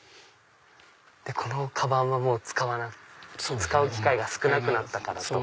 でこのカバンは使う機会が少なくなったからと。